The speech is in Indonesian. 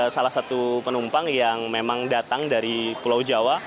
salah satu penumpang yang memang datang dari pulau jawa